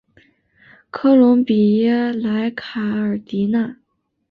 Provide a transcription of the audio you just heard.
科隆比耶莱卡尔迪纳。